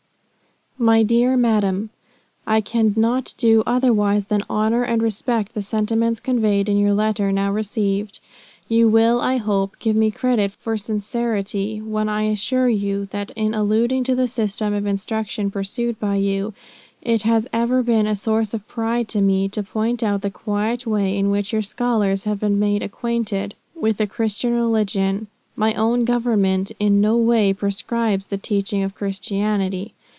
"My dear Madam, "I cannot do otherwise than honor and respect the sentiments conveyed in your letter, now received. You will, I hope, give me credit for sincerity, when I assure you, that in alluding to the system of instruction pursued by you, it has ever been a source of pride to me, to point out the quiet way, in which your scholars have been made acquainted with the Christian religion. My own Government in no way proscribes the teaching of Christianity.